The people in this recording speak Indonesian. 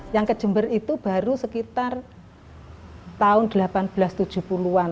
yang ke jember itu baru sekitar tahun seribu delapan ratus tujuh puluh an